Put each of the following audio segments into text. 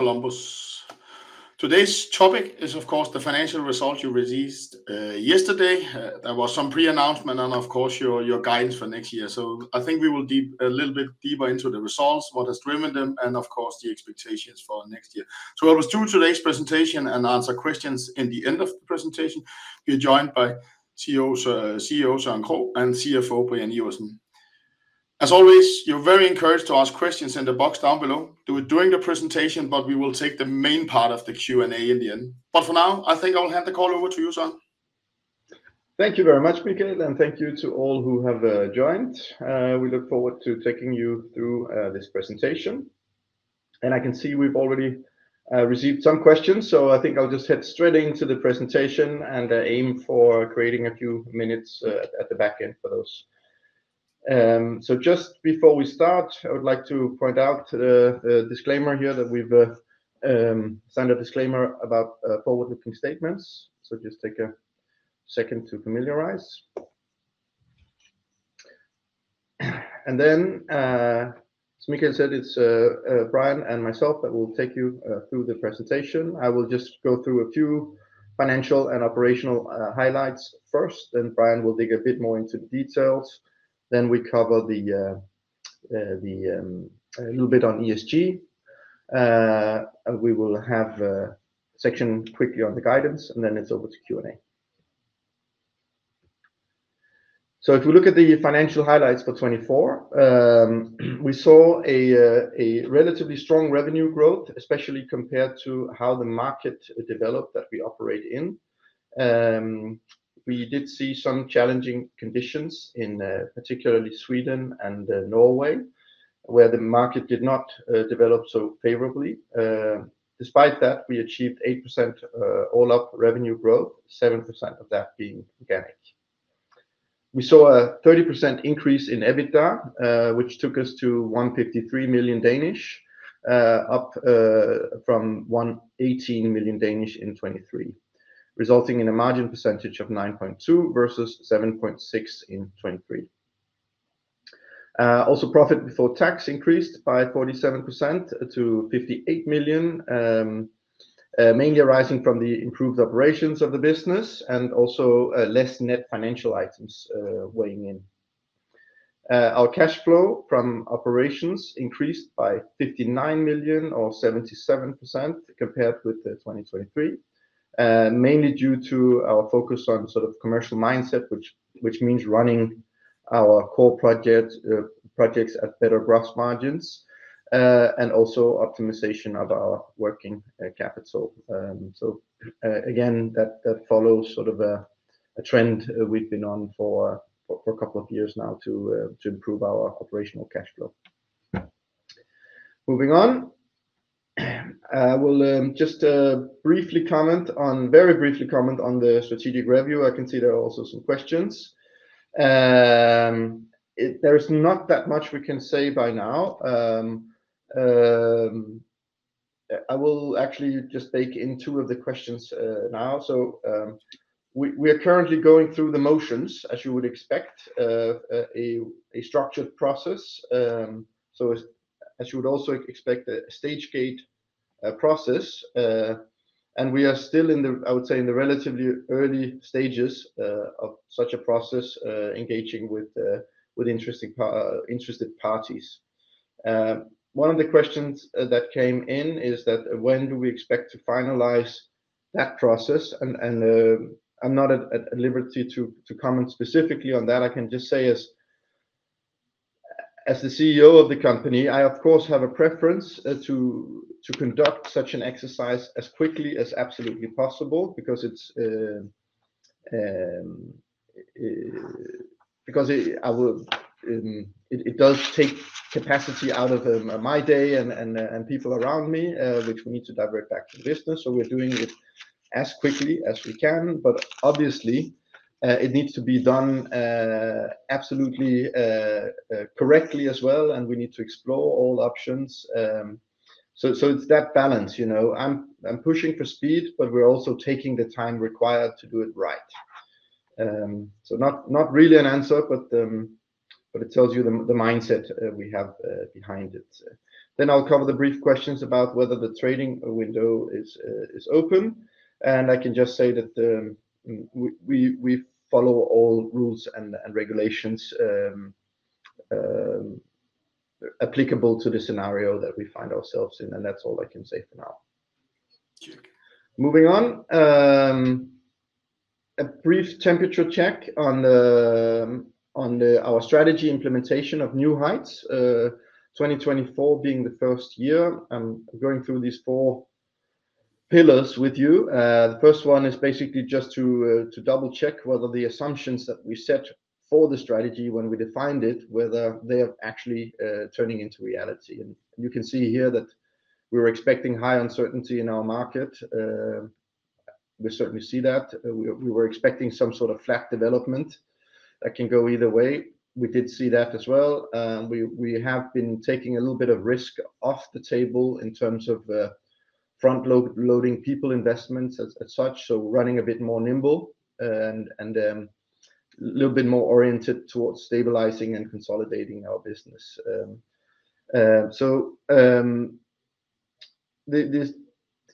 Columbus. Today's topic is, of course, the financial results you released yesterday. There was some pre-announcement and, of course, your guidance for next year. I think we will dig a little bit deeper into the results, what has driven them, and, of course, the expectations for next year. I will do today's presentation and answer questions in the end of the presentation. You 're joined by CEO Søren Krogh and CFO Brian Iversen. As always, you're very encouraged to ask questions in the box down below. Do it during the presentation, but we will take the main part of the Q&A in the end. For now, I think I will hand the call over to you, Søren. Thank you very much, Mikael, and thank you to all who have joined. We look forward to taking you through this presentation. I can see we've already received some questions, so I think I'll just head straight into the presentation and aim for creating a few minutes at the back end for those. Just before we start, I would like to point out the disclaimer here that we've signed a disclaimer about forward-looking statements. Just take a second to familiarize. As Mikael said, it's Brian and myself that will take you through the presentation. I will just go through a few financial and operational highlights first, then Brian will dig a bit more into the details. We cover a little bit on ESG. We will have a section quickly on the guidance, and then it's over to Q&A. If we look at the financial highlights for 2024, we saw a relatively strong revenue growth, especially compared to how the market developed that we operate in. We did see some challenging conditions, in particularly Sweden and Norway, where the market did not develop so favorably. Despite that, we achieved 8% all-up revenue growth, 7% of that being organic. We saw a 30% increase in EBITDA, which took us to 153 million, up from 118 million in 2023, resulting in a margin percentage of 9.2% versus 7.6% in 2023. Also, profit before tax increased by 47% to 58 million, mainly arising from the improved operations of the business and also less net financial items weighing in. Our cash flow from operations increased by 59 million, or 77%, compared with 2023, mainly due to our focus on sort of commercial mindset, which means running our core projects at better gross margins and also optimization of our working capital. Again, that follows sort of a trend we've been on for a couple of years now to improve our operational cash flow. Moving on, I will just briefly comment on, very briefly comment on the strategic review. I can see there are also some questions. There is not that much we can say by now. I will actually just take in two of the questions now. We are currently going through the motions, as you would expect, a structured process. As you would also expect, a stage-gate process. We are still in the, I would say, in the relatively early stages of such a process, engaging with interested parties. One of the questions that came in is that when do we expect to finalize that process? I am not at liberty to comment specifically on that. I can just say, as the CEO of the company, I, of course, have a preference to conduct such an exercise as quickly as absolutely possible because it does take capacity out of my day and people around me, which we need to direct back to the business. We are doing it as quickly as we can, but obviously, it needs to be done absolutely correctly as well, and we need to explore all options. It is that balance. I am pushing for speed, but we are also taking the time required to do it right. Not really an answer, but it tells you the mindset we have behind it. I'll cover the brief questions about whether the trading window is open. I can just say that we follow all rules and regulations applicable to the scenario that we find ourselves in, and that's all I can say for now. Moving on, a brief temperature check on our strategy implementation of New Heights, 2024 being the first year. I'm going through these four pillars with you. The first one is basically just to double-check whether the assumptions that we set for the strategy when we defined it, whether they are actually turning into reality. You can see here that we were expecting high uncertainty in our market. We certainly see that. We were expecting some sort of flat development. That can go either way. We did see that as well. We have been taking a little bit of risk off the table in terms of front-loading people, investments as such, running a bit more nimble and a little bit more oriented towards stabilizing and consolidating our business.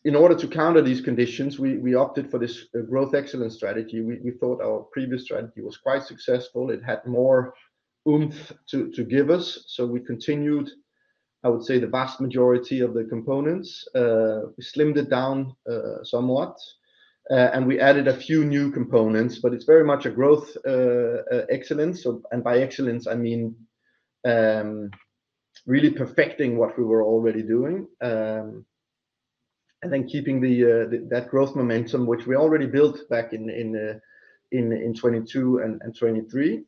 In order to counter these conditions, we opted for this growth excellence strategy. We thought our previous strategy was quite successful. It had more oomph to give us. We continued, I would say, the vast majority of the components. We slimmed it down somewhat, and we added a few new components, but it is very much a growth excellence. By excellence, I mean really perfecting what we were already doing and then keeping that growth momentum, which we already built back in 2022 and 2023,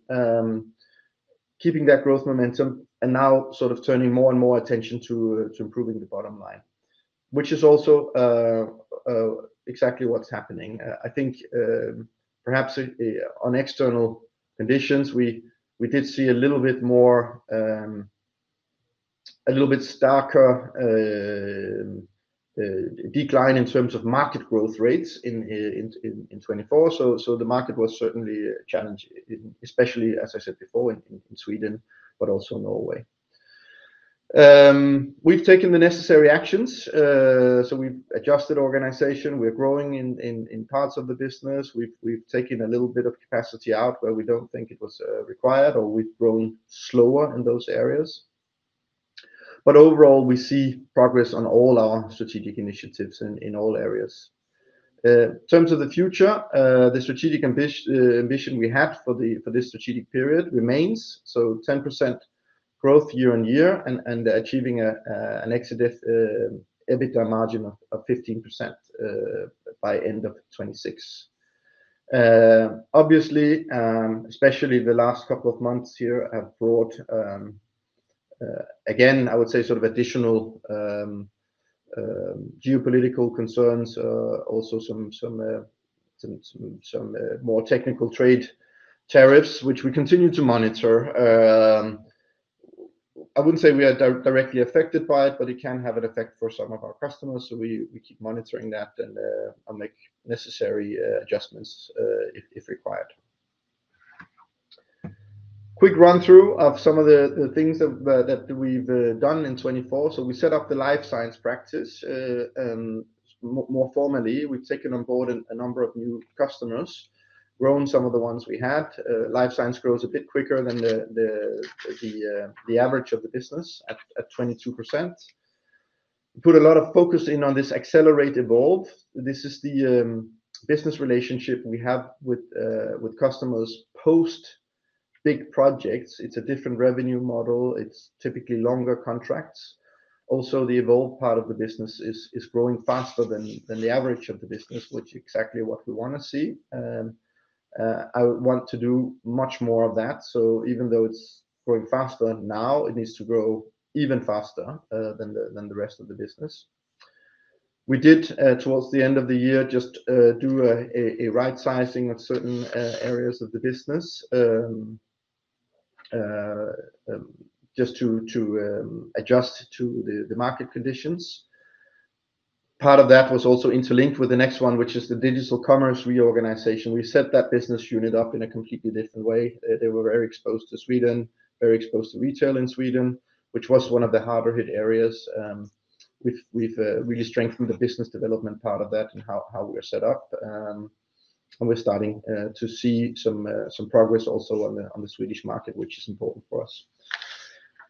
keeping that growth momentum and now sort of turning more and more attention to improving the bottom line, which is also exactly what is happening. I think perhaps on external conditions, we did see a little bit more, a little bit starker decline in terms of market growth rates in 2024. The market was certainly a challenge, especially, as I said before, in Sweden, but also Norway. We've taken the necessary actions. We've adjusted organization. We're growing in parts of the business. We've taken a little bit of capacity out where we don't think it was required, or we've grown slower in those areas. Overall, we see progress on all our strategic initiatives in all areas. In terms of the future, the strategic ambition we had for this strategic period remains. 10% growth year-on-year and achieving an exit EBITDA margin of 15% by end of 2026. Obviously, especially the last couple of months here have brought, again, I would say, sort of additional geopolitical concerns, also some more technical trade tariffs, which we continue to monitor. I would not say we are directly affected by it, but it can have an effect for some of our customers. We keep monitoring that and make necessary adjustments if required. Quick run-through of some of the things that we have done in 2024. We set up the Life Science practice. More formally, we have taken on board a number of new customers, grown some of the ones we had. Life Science grows a bit quicker than the average of the business at 22%. We put a lot of focus in on this Accelerate Evolve. This is the business relationship we have with customers post big projects. It is a different revenue model. It is typically longer contracts. Also, the evolve part of the business is growing faster than the average of the business, which is exactly what we want to see. I want to do much more of that. Even though it's growing faster now, it needs to grow even faster than the rest of the business. We did, towards the end of the year, just do a right-sizing of certain areas of the business just to adjust to the market conditions. Part of that was also interlinked with the next one, which is the Digital Commerce reorganization. We set that business unit up in a completely different way. They were very exposed to Sweden, very exposed to retail in Sweden, which was one of the harder hit areas. We have really strengthened the business development part of that and how we're set up. We're starting to see some progress also on the Swedish market, which is important for us.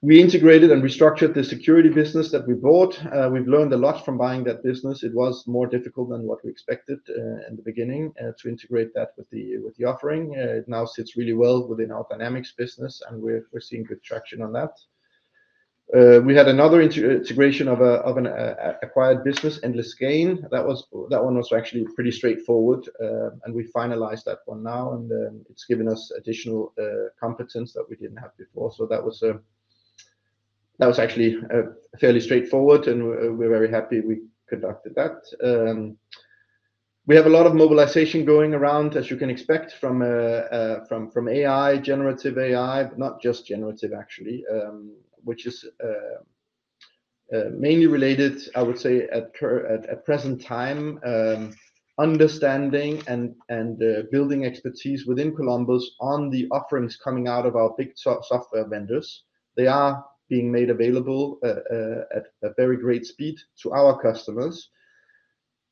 We integrated and restructured the security business that we bought. We've learned a lot from buying that business. It was more difficult than what we expected in the beginning to integrate that with the offering. It now sits really well within our Dynamics business, and we're seeing good traction on that. We had another integration of an acquired business, Endless Gain. That one was actually pretty straightforward, and we finalized that one now, and it's given us additional competence that we didn't have before. That was actually fairly straightforward, and we're very happy we conducted that. We have a lot of mobilization going around, as you can expect, from AI, generative AI, not just generative, actually, which is mainly related, I would say, at present time, understanding and building expertise within Columbus on the offerings coming out of our big software vendors. They are being made available at a very great speed to our customers,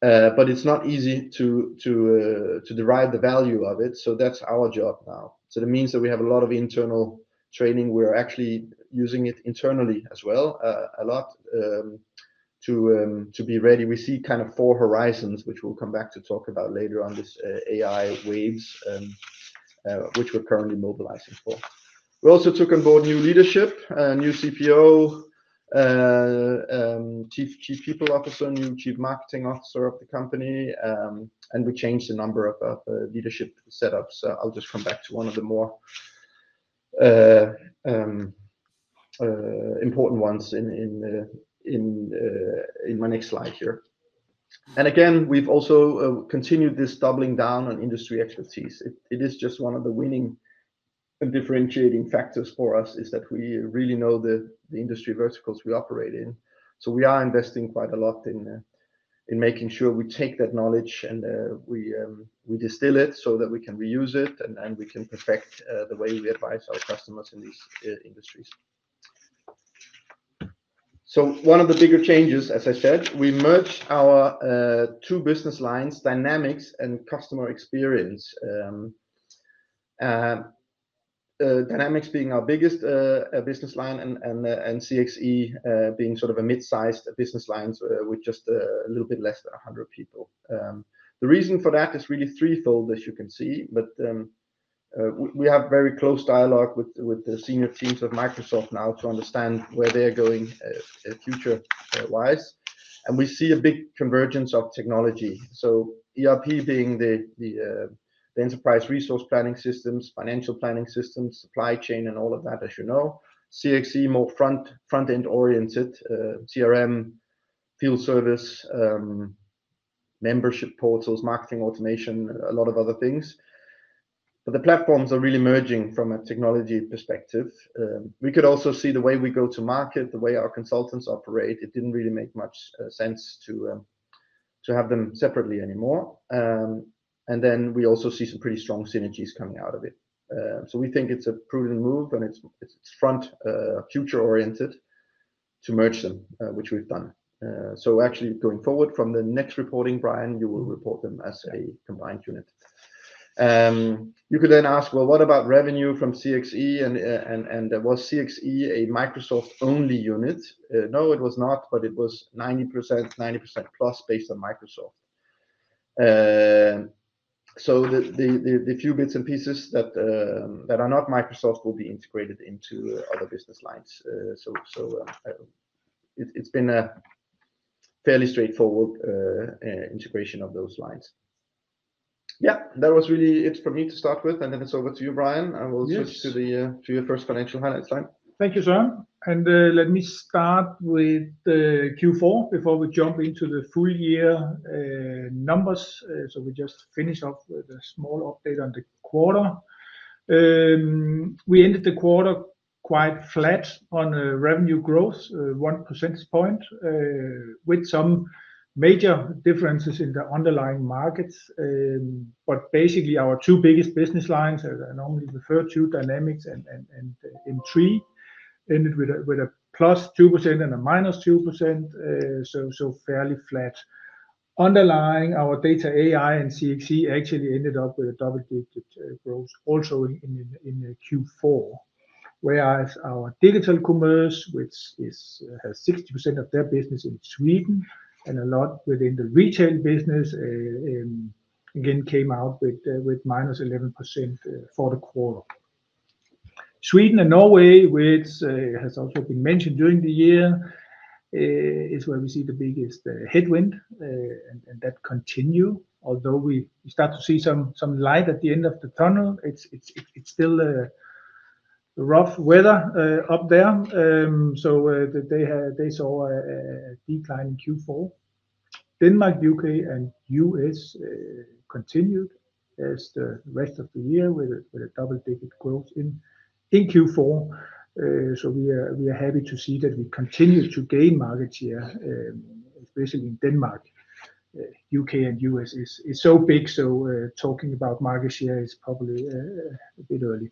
but it's not easy to derive the value of it. That is our job now. It means that we have a lot of internal training. We're actually using it internally as well a lot to be ready. We see kind of four horizons, which we'll come back to talk about later on this AI waves, which we're currently mobilizing for. We also took on board new leadership, new Chief People Officer, new Chief Marketing Officer of the company, and we changed the number of leadership setups. I'll just come back to one of the more important ones in my next slide here. Again, we've also continued this doubling down on industry expertise. It is just one of the winning and differentiating factors for us is that we really know the industry verticals we operate in. We are investing quite a lot in making sure we take that knowledge and we distill it so that we can reuse it and we can perfect the way we advise our customers in these industries. One of the bigger changes, as I said, we merged our two business lines, Dynamics and Customer Experience. Dynamics being our biggest business line and CXE being sort of a mid-sized business line with just a little bit less than 100 people. The reason for that is really threefold, as you can see, but we have very close dialogue with the senior teams of Microsoft now to understand where they're going future-wise. We see a big convergence of technology. ERP being the enterprise resource planning systems, financial planning systems, supply chain, and all of that, as you know. CXE, more front-end oriented, CRM, field service, membership portals, marketing automation, a lot of other things. The platforms are really merging from a technology perspective. We could also see the way we go to market, the way our consultants operate. It did not really make much sense to have them separately anymore. We also see some pretty strong synergies coming out of it. We think it's a prudent move and it's front-future oriented to merge them, which we've done. Actually, going forward from the next reporting, Brian, you will report them as a combined unit. You could then ask, well, what about revenue from CXE? And was CXE a Microsoft-only unit? No, it was not, but it was 90%+ based on Microsoft. The few bits and pieces that are not Microsoft will be integrated into other business lines. It has been a fairly straightforward integration of those lines. That was really it for me to start with, and then it is over to you, Brian. I will switch to your first financial highlights line. Thank you, Søren. Let me start with Q4 before we jump into the full-year numbers. We just finish off with a small update on the quarter. We ended the quarter quite flat on revenue growth, 1% point, with some major differences in the underlying markets. Basically, our two biggest business lines, as I normally refer to, Dynamics and M3, ended with a +2% and a -2%. So fairly flat. Underlying, our Data & AI and CXE actually ended up with a double-digit growth, also in Q4, whereas our digital commerce, which has 60% of their business in Sweden and a lot within the retail business, again, came out with -11% for the quarter. Sweden and Norway, which has also been mentioned during the year, is where we see the biggest headwind, and that continues. Although we start to see some light at the end of the tunnel, it's still rough weather up there. They saw a decline in Q4. Denmark, U.K., and U.S. continued as the rest of the year with a double-digit growth in Q4. We are happy to see that we continue to gain market share, especially in Denmark. U.K. and U.S. are so big, so talking about market share is probably a bit early.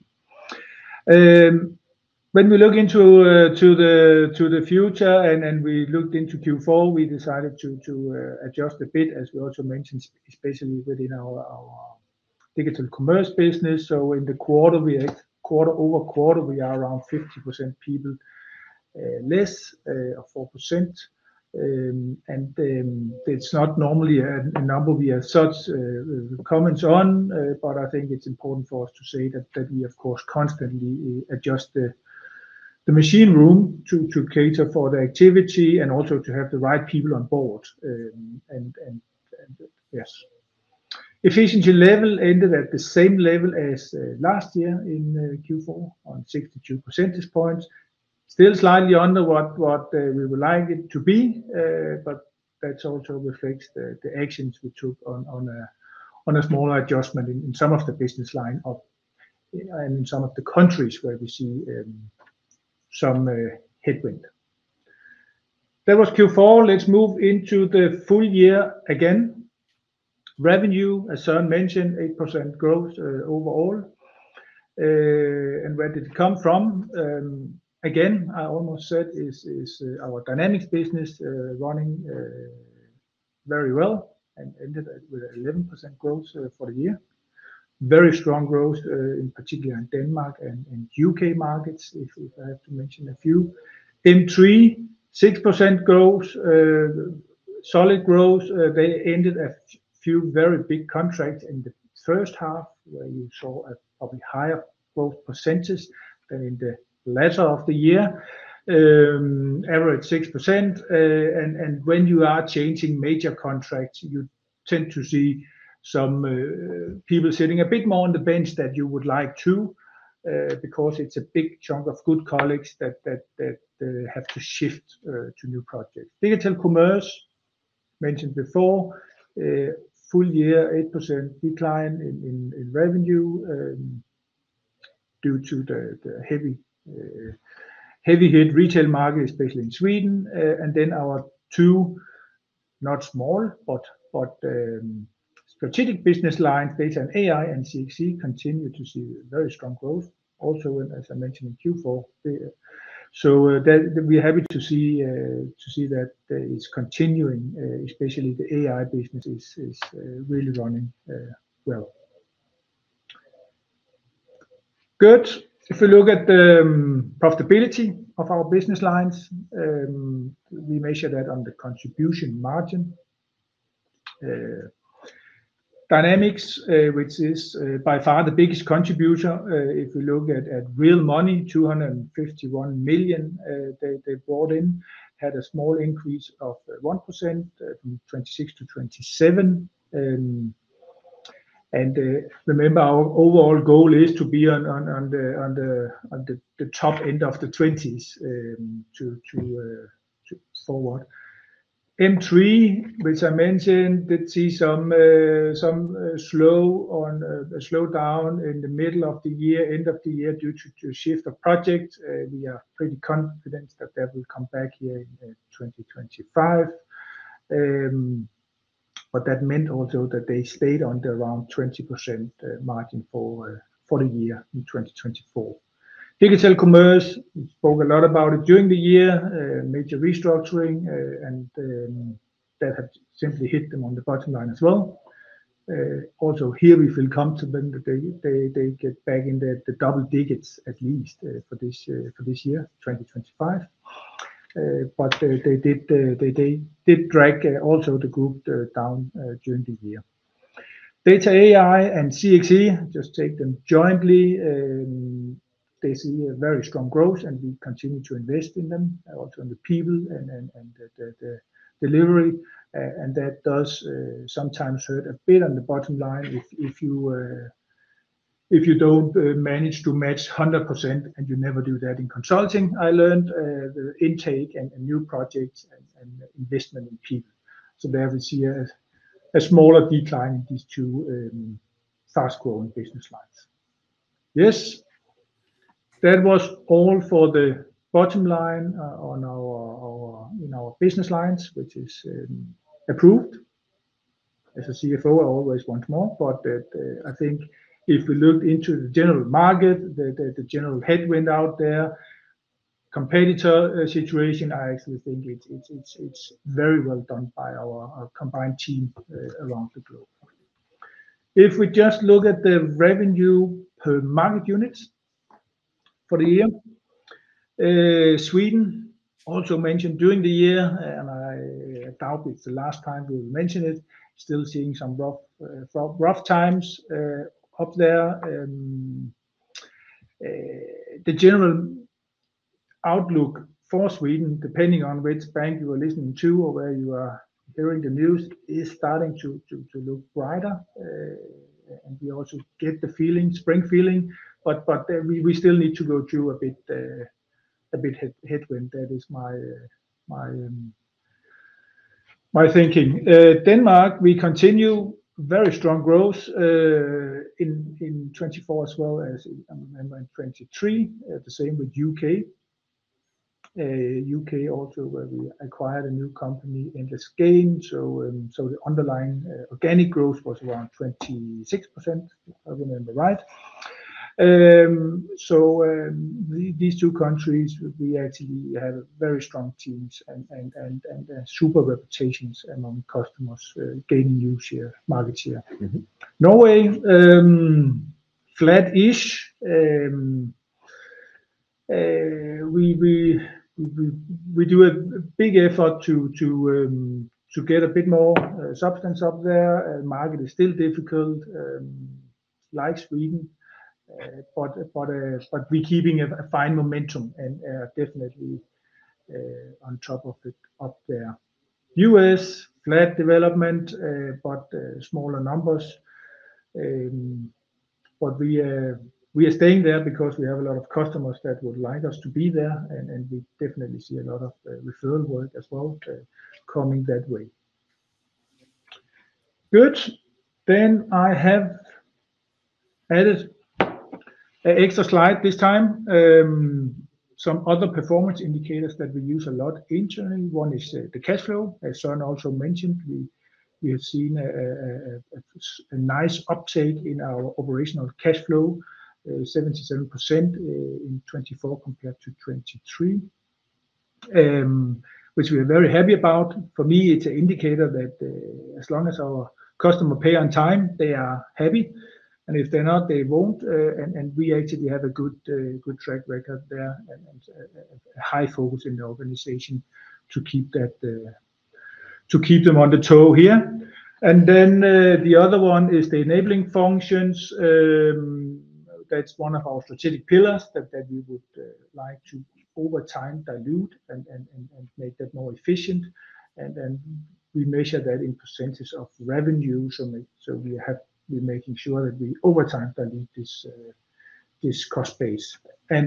When we look into the future and we looked into Q4, we decided to adjust a bit, as we also mentioned, especially within our digital commerce business. In the quarter-over-quarter, we are around 50% people less, 4%. It's not normally a number we have such comments on, but I think it's important for us to say that we, of course, constantly adjust the machine room to cater for the activity and also to have the right people on board. Yes, efficiency level ended at the same level as last year in Q4, on 62% points. Still slightly under what we would like it to be, but that also reflects the actions we took on a smaller adjustment in some of the business line up and in some of the countries where we see some headwind. That was Q4. Let's move into the full-year again. Revenue, as Søren mentioned, 8% growth overall. Where did it come from? I almost said it's our Dynamics business running very well and ended with 11% growth for the year. Very strong growth, in particular in Denmark and U.K. markets, if I have to mention a few. M3, 6% growth, solid growth. They ended a few very big contracts in the first half, where you saw a probably higher growth percentage than in the latter of the year, average 6%. When you are changing major contracts, you tend to see some people sitting a bit more on the bench than you would like to because it's a big chunk of good colleagues that have to shift to new projects. Digital commerce, mentioned before, full-year, 8% decline in revenue due to the heavy hit retail market, especially in Sweden. Our two, not small, but strategic business lines, Data & AI and CXE, continue to see very strong growth, also as I mentioned in Q4. We are happy to see that it's continuing, especially the AI business. It is really running well. Good. If we look at the profitability of our business lines, we measure that on the contribution margin. Dynamics, which is by far the biggest contributor, if we look at real money, 251 million they brought in, had a small increase of 1% from 26%-27%. Remember, our overall goal is to be on the top end of the 20s to forward. M3, which I mentioned, did see some slowdown in the middle of the year, end of the year due to a shift of projects. We are pretty confident that that will come back here in 2025. That meant also that they stayed on the around 20% margin for the year in 2024. Digital commerce, we spoke a lot about it during the year, major restructuring, and that had simply hit them on the bottom line as well. Also here, we feel comfortable that they get back in the double digits at least for this year, 2025. They did drag also the group down during the year. Data & AI and CXE, just take them jointly, they see very strong growth, and we continue to invest in them, also in the people and the delivery. That does sometimes hurt a bit on the bottom line if you do not manage to match 100%, and you never do that in consulting. I learned the intake and new projects and investment in people. There we see a smaller decline in these two fast-growing business lines. Yes. That was all for the bottom line in our business lines, which is approved. As a CFO, I always want more, but I think if we looked into the general market, the general headwind out there, competitor situation, I actually think it is very well done by our combined team around the globe. If we just look at the revenue per market unit for the year, Sweden also mentioned during the year, and I doubt it's the last time we will mention it, still seeing some rough times up there. The general outlook for Sweden, depending on which bank you are listening to or where you are hearing the news, is starting to look brighter. We also get the spring feeling, but we still need to go through a bit headwind. That is my thinking. Denmark, we continue very strong growth in 2024 as well as I remember in 2023, the same with the U.K. U.K. also where we acquired a new company in the Endless Gain. The underlying organic growth was around 26%, if I remember right. These two countries, we actually have very strong teams and super reputations among customers gaining new market share. Norway, flat-ish. We do a big effort to get a bit more substance up there. Market is still difficult, like Sweden, but we're keeping a fine momentum and definitely on top of it up there. U.S., flat development, but smaller numbers. We are staying there because we have a lot of customers that would like us to be there, and we definitely see a lot of referral work as well coming that way. Good. I have added an extra slide this time. Some other performance indicators that we use a lot internally. One is the cash flow. As Søren also mentioned, we have seen a nice uptake in our operational cash flow, 77% in 2024 compared to 2023, which we are very happy about. For me, it's an indicator that as long as our customers pay on time, they are happy. If they're not, they won't. We actually have a good track record there and a high focus in the organization to keep them on the toe here. The other one is the enabling functions. That is one of our strategic pillars that we would like to over time dilute and make that more efficient. We measure that in percent of revenue. We are making sure that we over time dilute this cost base.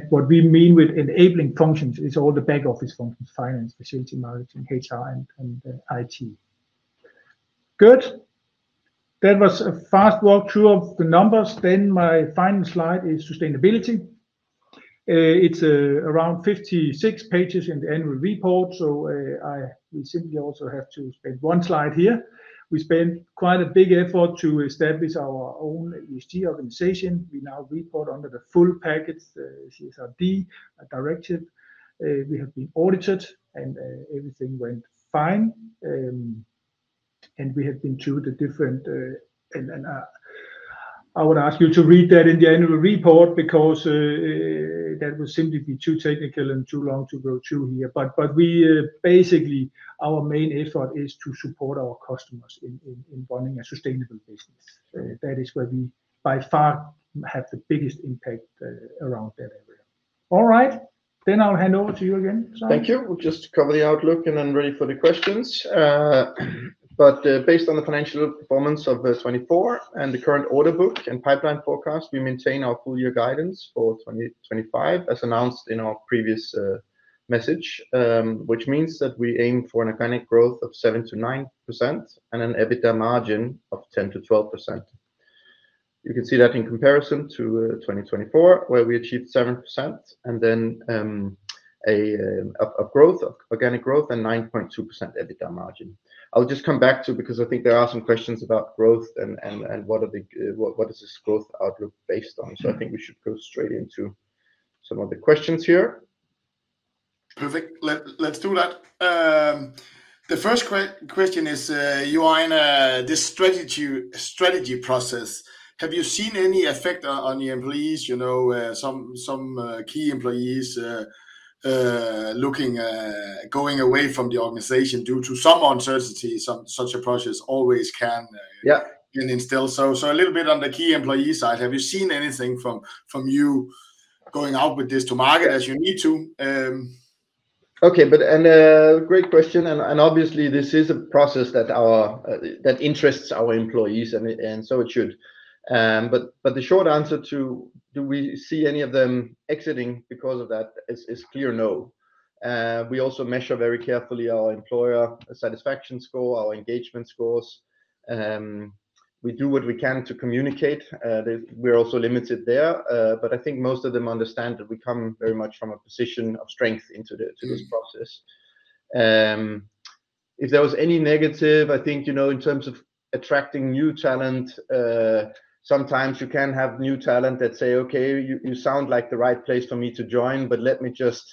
What we mean with enabling functions is all the back office functions: finance, facility management, HR, and IT. Good. That was a fast walkthrough of the numbers. My final slide is sustainability. It is around 56 pages in the annual report. We simply also have to spend one slide here. We spent quite a big effort to establish our own ESG organization. We now report under the full package, CSRD, directive. We have been audited, and everything went fine. We have been through the different and I would ask you to read that in the annual report because that would simply be too technical and too long to go through here. Basically, our main effort is to support our customers in running a sustainable business. That is where we by far have the biggest impact around that area. All right. I'll hand over to you again, Søren. Thank you. We'll just cover the outlook and then ready for the questions. Based on the financial performance of 2024 and the current order book and pipeline forecast, we maintain our full year guidance for 2025 as announced in our previous message, which means that we aim for an organic growth of 7%-9% and an EBITDA margin of 10%-12%. You can see that in comparison to 2024, where we achieved 7% and then a growth of organic growth and 9.2% EBITDA margin. I'll just come back to because I think there are some questions about growth and what is this growth outlook based on. I think we should go straight into some of the questions here. Perfect. Let's do that. The first question is, you are in this strategy process. Have you seen any effect on your employees? Some key employees looking going away from the organization due to some uncertainty, such a process always can instill. A little bit on the key employee side. Have you seen anything from you going out with this to market as you need to? Okay. Great question. Obviously, this is a process that interests our employees, and so it should. The short answer to do we see any of them exiting because of that is a clear no. We also measure very carefully our employer satisfaction score, our engagement scores. We do what we can to communicate. We are also limited there. I think most of them understand that we come very much from a position of strength into this process. If there was any negative, I think in terms of attracting new talent, sometimes you can have new talent that say, "Okay, you sound like the right place for me to join, but let me just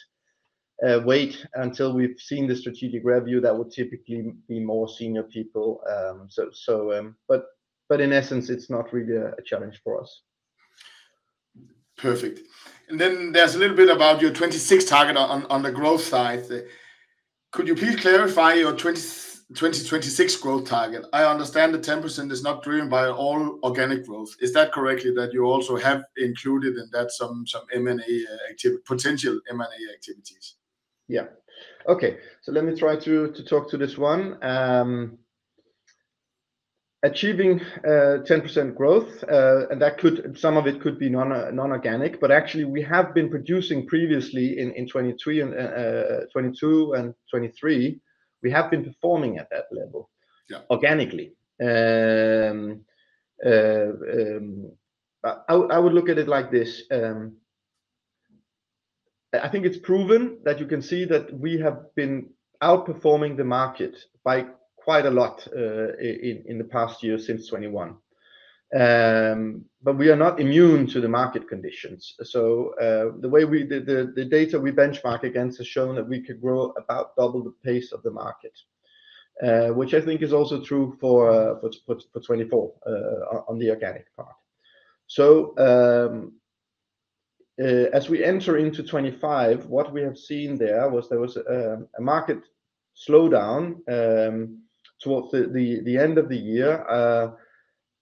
wait until we've seen the strategic review." That would typically be more senior people. In essence, it's not really a challenge for us. Perfect. There is a little bit about your 2026 target on the growth side. Could you please clarify your 2026 growth target? I understand the 10% is not driven by all organic growth. Is that correct that you also have included in that some potential M&A activities? Yeah. Okay. Let me try to talk to this one. Achieving 10% growth, and some of it could be non-organic, but actually, we have been producing previously in 2022 and 2023, we have been performing at that level organically. I would look at it like this. I think it is proven that you can see that we have been outperforming the market by quite a lot in the past year since 2021. We are not immune to the market conditions. The data we benchmark against has shown that we could grow about double the pace of the market, which I think is also true for 2024 on the organic part. As we enter into 2025, what we have seen is there was a market slowdown towards the end of the year.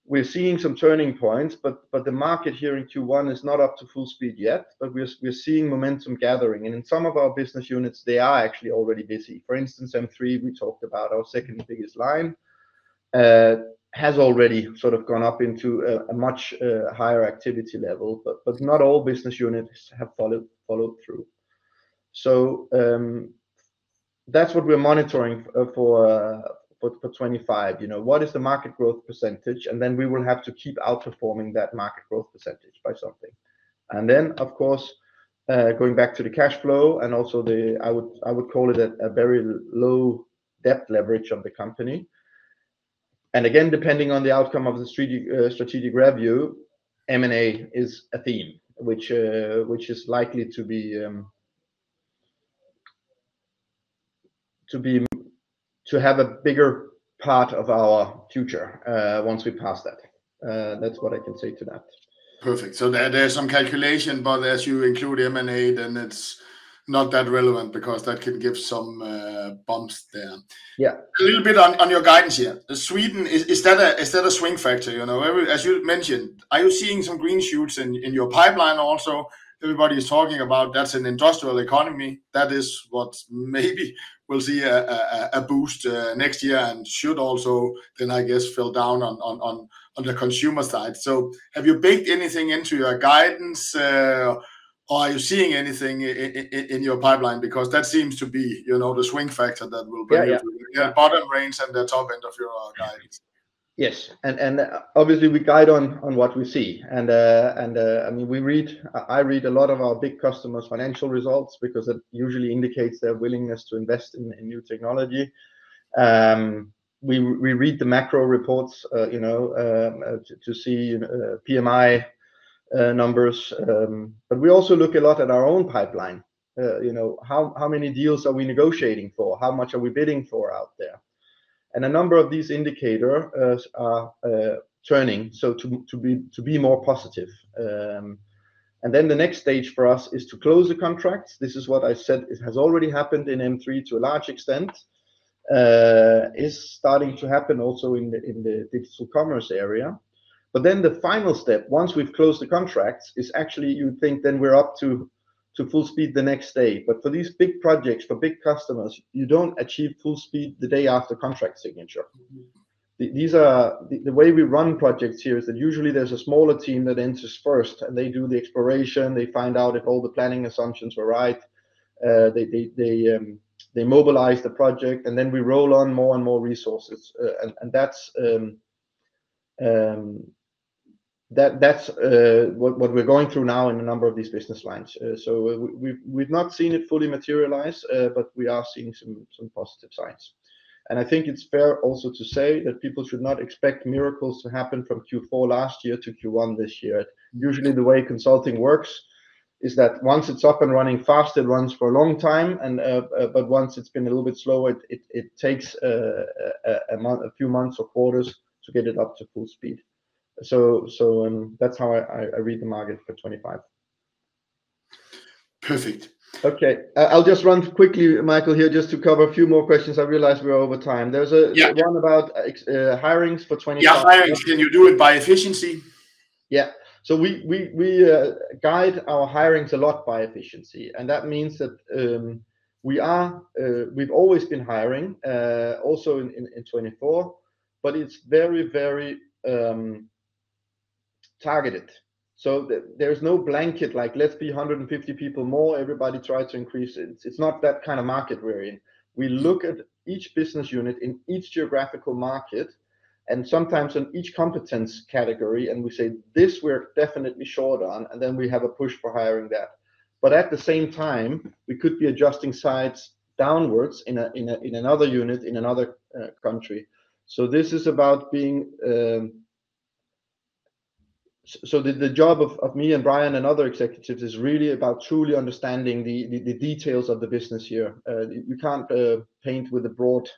We're seeing some turning points, but the market here in Q1 is not up to full speed yet. We're seeing momentum gathering, and in some of our business units, they are actually already busy. For instance, M3, we talked about our second biggest line, has already sort of gone up into a much higher activity level, but not all business units have followed through. That's what we're monitoring for 2025. What is the market growth %? We will have to keep outperforming that market growth % by something. Of course, going back to the cash flow and also the, I would call it, a very low debt leverage of the company. Again, depending on the outcome of the strategic review, M&A is a theme, which is likely to have a bigger part of our future once we pass that. That's what I can say to that. Perfect. There is some calculation, but as you include M&A, then it's not that relevant because that can give some bumps there. A little bit on your guidance here. Sweden, is that a swing factor? As you mentioned, are you seeing some green shoots in your pipeline also? Everybody is talking about that's an industrial economy. That is what maybe we'll see a boost next year and should also then, I guess, fell down on the consumer side. Have you baked anything into your guidance, or are you seeing anything in your pipeline? Because that seems to be the swing factor that will bring you to the bottom range and the top end of your guidance. Yes. Obviously, we guide on what we see. I mean, I read a lot of our big customers' financial results because it usually indicates their willingness to invest in new technology. We read the macro reports to see PMI numbers. We also look a lot at our own pipeline. How many deals are we negotiating for? How much are we bidding for out there? A number of these indicators are turning to be more positive. The next stage for us is to close the contracts. This is what I said has already happened in M3 to a large extent, is starting to happen also in the digital commerce area. The final step, once we've closed the contracts, is actually you'd think then we're up to full speed the next day. For these big projects, for big customers, you don't achieve full speed the day after contract signature. The way we run projects here is that usually there's a smaller team that enters first, and they do the exploration. They find out if all the planning assumptions were right. They mobilize the project, and then we roll on more and more resources. That's what we're going through now in a number of these business lines. We've not seen it fully materialize, but we are seeing some positive signs. I think it's fair also to say that people should not expect miracles to happen from Q4 last year to Q1 this year. Usually, the way consulting works is that once it's up and running fast, it runs for a long time. Once it's been a little bit slower, it takes a few months or quarters to get it up to full speed. That's how I read the market for 2025. Perfect. Okay. I'll just run quickly, Mikael, here just to cover a few more questions. I realize we're over time. There's one about hirings for 2025. Yeah, hirings. Can you do it by efficiency? Yeah. We guide our hirings a lot by efficiency. That means that we've always been hiring also in 2024, but it's very, very targeted. There's no blanket like, "Let's be 150 people more. Everybody tries to increase." It's not that kind of market we're in. We look at each business unit in each geographical market and sometimes in each competence category, and we say, "This we're definitely short on," and then we have a push for hiring that. At the same time, we could be adjusting sides downwards in another unit in another country. This is about being so the job of me and Brian and other executives is really about truly understanding the details of the business here. You can't paint with a broad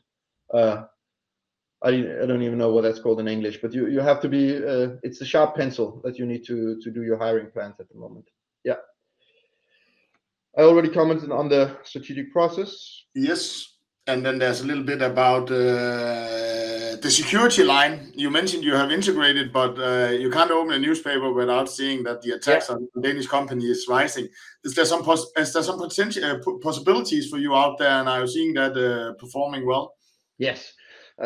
I don't even know what that's called in English, but you have to be it's a sharp pencil that you need to do your hiring plans at the moment. Yeah. I already commented on the strategic process. Yes. There is a little bit about the security line. You mentioned you have integrated, but you can't open a newspaper without seeing that the attacks on Danish companies are rising. Is there some possibilities for you out there, and are you seeing that performing well? Yes.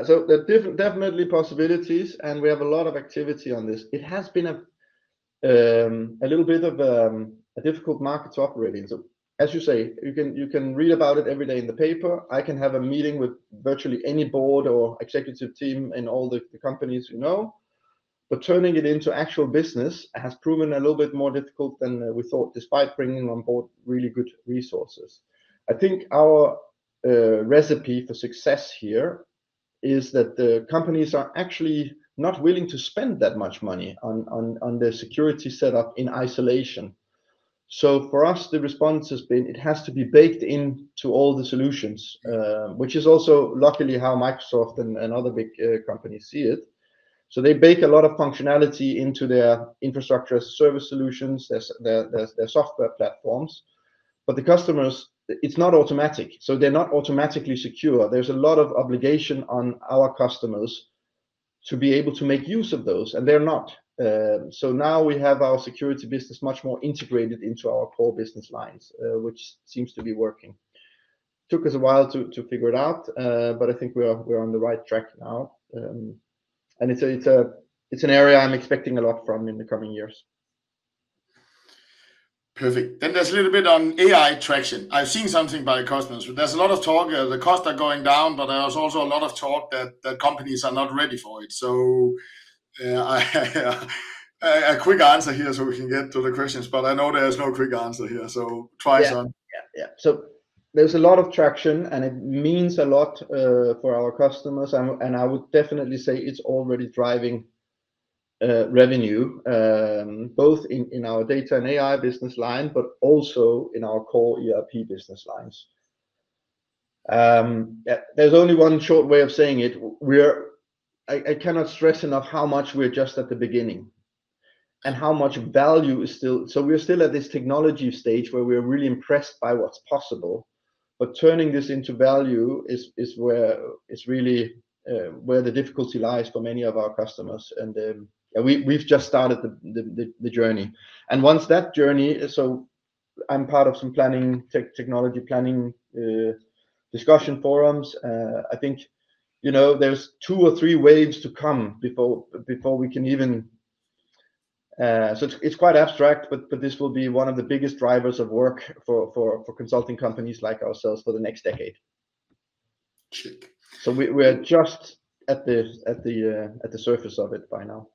Definitely possibilities, and we have a lot of activity on this. It has been a little bit of a difficult market to operate in. As you say, you can read about it every day in the paper. I can have a meeting with virtually any board or executive team in all the companies we know. Turning it into actual business has proven a little bit more difficult than we thought despite bringing on board really good resources. I think our recipe for success here is that the companies are actually not willing to spend that much money on their security setup in isolation. For us, the response has been it has to be baked into all the solutions, which is also luckily how Microsoft and other big companies see it. They bake a lot of functionality into their infrastructure as a service solutions, their software platforms. The customers, it's not automatic. They're not automatically secure. There's a lot of obligation on our customers to be able to make use of those, and they're not. We have our security business much more integrated into our core business lines, which seems to be working. It took us a while to figure it out, but I think we're on the right track now. It's an area I'm expecting a lot from in the coming years. Perfect. There's a little bit on AI traction. I've seen something by customers. There's a lot of talk. The costs are going down, but there's also a lot of talk that companies are not ready for it. A quick answer here so we can get to the questions, but I know there's noquick answer here. Try some. Yeah. Yeah. There's a lot of traction, and it means a lot for our customers. I would definitely say it's already driving revenue both in our data and AI business line, but also in our core ERP business lines. There's only one short way of saying it. I cannot stress enough how much we're just at the beginning and how much value is still, so we're still at this technology stage where we're really impressed by what's possible. Turning this into value is really where the difficulty lies for many of our customers. We've just started the journey. Once that journey, I'm part of some technology planning discussion forums. I think there are two or three waves to come before we can even, so it's quite abstract, but this will be one of the biggest drivers of work for consulting companies like ourselves for the next decade. We're just at the surface of it by now.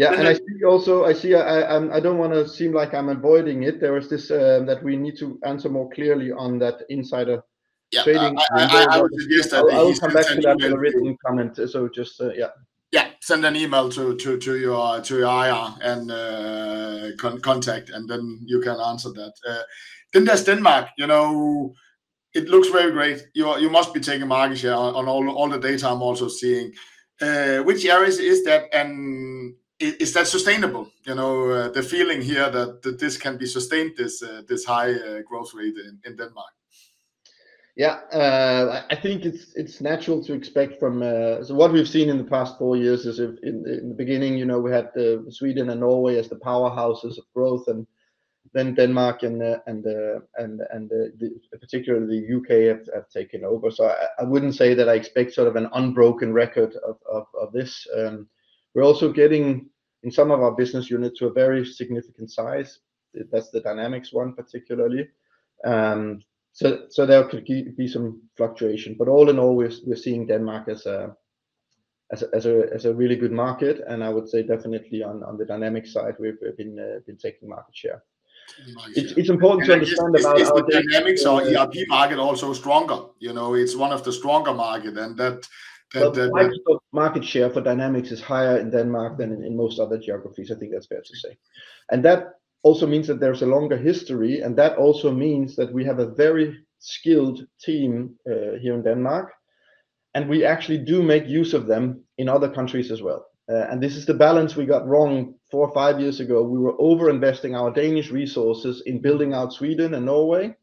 I see also, I don't want to seem like I'm avoiding it. There was this that we need to answer more clearly on that insider trading side. I'll come back to that with a written comment. Just, yeah. Send an email to your IR and contact, and then you can answer that. There's Denmark. It looks very great. You must be taking market share on all the data I'm also seeing. Which areas is that, and is that sustainable? The feeling here that this can be sustained, this high growth rate in Denmark? Yeah. I think it's natural to expect from what we've seen in the past four years is in the beginning, we had Sweden and Norway as the powerhouses of growth, and then Denmark and particularly the U.K. have taken over. I wouldn't say that I expect sort of an unbroken record of this. We're also getting in some of our business units to a very significant size. That's the Dynamics one particularly. There could be some fluctuation. All in all, we're seeing Denmark as a really good market. I would say definitely on the Dynamics side, we've been taking market share. It's important to understand about our Dynamics or ERP market also stronger. It's one of the stronger markets. That market share for Dynamics is higher in Denmark than in most other geographies. I think that's fair to say. That also means that there's a longer history. That also means that we have a very skilled team here in Denmark. We actually do make use of them in other countries as well. This is the balance we got wrong four or five years ago. We were overinvesting our Danish resources in building out Sweden and Norway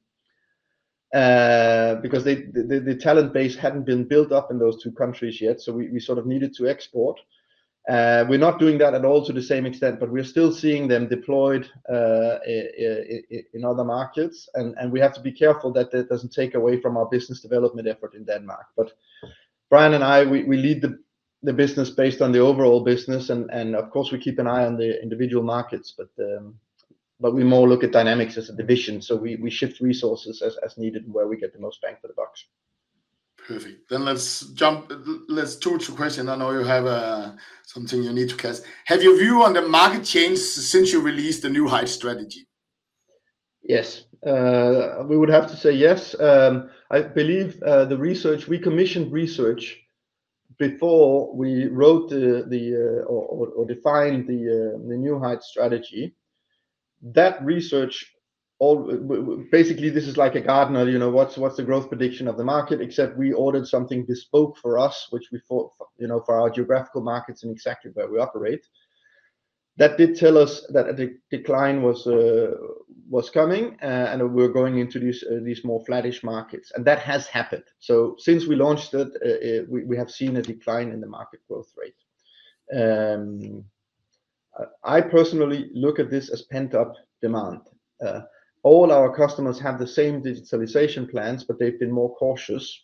because the talent base hadn't been built up in those two countries yet. We sort of needed to export. We're not doing that at all to the same extent, but we're still seeing them deployed in other markets. We have to be careful that that doesn't take away from our business development effort in Denmark. Brian and I, we lead the business based on the overall business. Of course, we keep an eye on the individual markets, but we more look at Dynamics as a division. We shift resources as needed where we get the most bang for the buck. Perfect. Let's turn to a question. I know you have something you need to ask. Have you viewed on the market change since you released the new height strategy? Yes. We would have to say yes. I believe the research, we commissioned research before we wrote or defined the new height strategy. That research, basically, this is like a Gartner. What's the growth prediction of the market? Except we ordered something bespoke for us, which we thought for our geographical markets and exactly where we operate. That did tell us that a decline was coming, and we were going into these more flattish markets. That has happened. Since we launched it, we have seen a decline in the market growth rate. I personally look at this as pent-up demand. All our customers have the same digitalization plans, but they've been more cautious.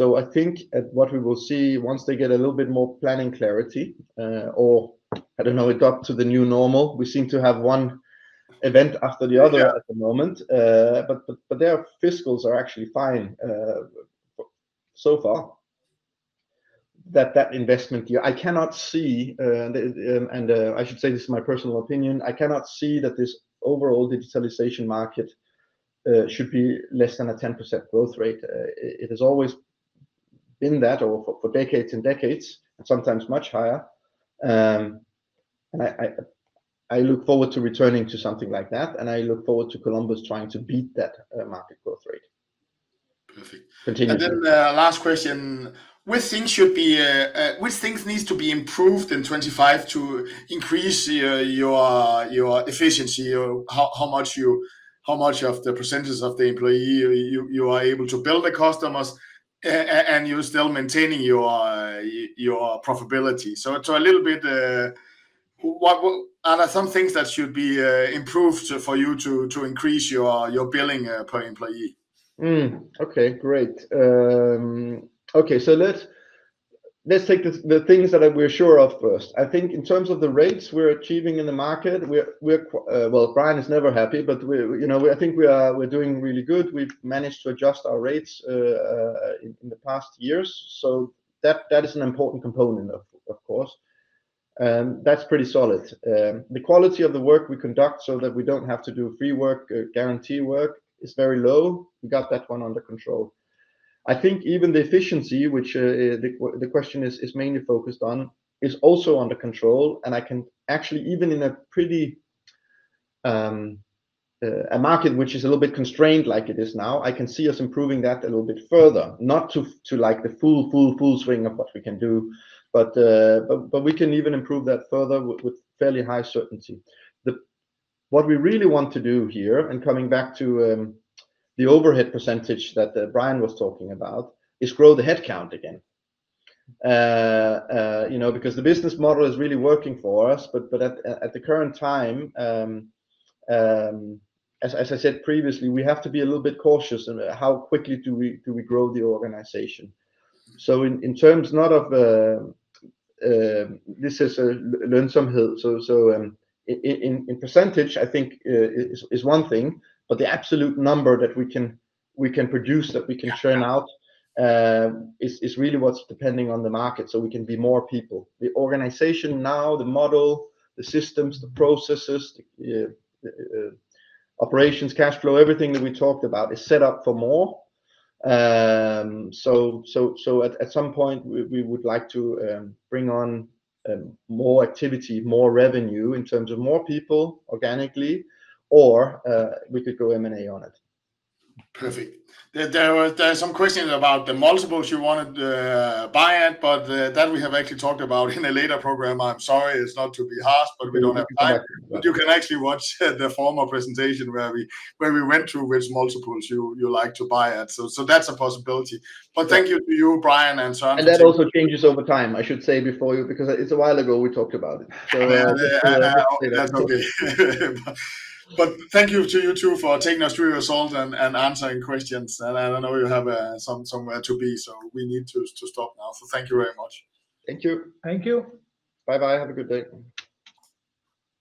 I think what we will see once they get a little bit more planning clarity or, I don't know, adopt to the new normal. We seem to have one event after the other at the moment. Their fiscals are actually fine so far. That investment, I cannot see—and I should say this is my personal opinion—I cannot see that this overall digitalization market should be less than a 10% growth rate. It has always been that for decades and decades, and sometimes much higher. I look forward to returning to something like that. I look forward to Columbus trying to beat that market growth rate. Continue. Last question. Which things should be—which things need to be improved in 2025 to increase your efficiency? How much of the percentage of the employee you are able to bill the customers, and you're still maintaining your profitability? It's a little bit—are there some things that should be improved for you to increase your billing per employee? Okay. Great. Okay. Let's take the things that we're sure of first. I think in terms of the rates we're achieving in the market, we're—Brian is never happy, but I think we're doing really good. We've managed to adjust our rates in the past years. That is an important component, of course. That's pretty solid. The quality of the work we conduct so that we do not have to do free work, guarantee work, is very low. We got that one under control. I think even the efficiency, which the question is mainly focused on, is also under control. I can actually, even in a market which is a little bit constrained like it is now, see us improving that a little bit further. Not to the full, full, full swing of what we can do, but we can even improve that further with fairly high certainty. What we really want to do here, and coming back to the overhead percentage that Brian was talking about, is grow the headcount again. Because the business model is really working for us. At the current time, as I said previously, we have to be a little bit cautious in how quickly we grow the organization. In terms not of this is a learnsomehit. In percentage, I think, is one thing. The absolute number that we can produce, that we can churn out, is really what's depending on the market. We can be more people. The organization now, the model, the systems, the processes, operations, cash flow, everything that we talked about is set up for more. At some point, we would like to bring on more activity, more revenue in terms of more people organically, or we could go M&A on it. Perfect. There are some questions about the multiples you wanted to buy at, but that we have actually talked about in a later program. I'm sorry, it's not to be harsh, but we don't have time. You can actually watch the former presentation where we went through which multiples you like to buy at. That's a possibility. Thank you to you, Brian and Søren. That also changes over time, I should say, because it's a while ago we talked about it. That's okay. Thank you to you two for taking us through your results and answering questions. I know you have somewhere to be, we need to stop now. Thank you very much. Thank you. Thank you. Bye-bye. Have a good day.